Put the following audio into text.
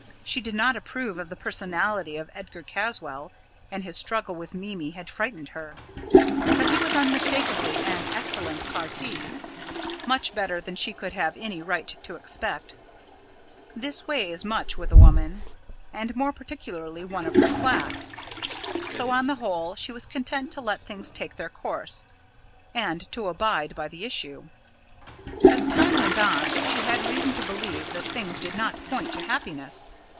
She did not approve of the personality of Edgar Caswall, and his struggle with Mimi had frightened her; but he was unmistakably an excellent parti, much better than she could have any right to expect. This weighs much with a woman, and more particularly one of her class. So, on the whole, she was content to let things take their course, and to abide by the issue. As time went on, she had reason to believe that things did not point to happiness.